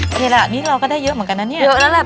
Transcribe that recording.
โอเคละรอบนี้เราก็ได้เยอะเหมือนกันน่ะเนี้ยเยอะแล้วแหละ